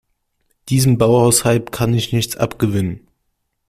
Diesem Bauhaus-Hype kann ich nichts abgewinnen.